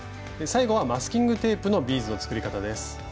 最後は「マスキングテープのビーズ」の作り方です。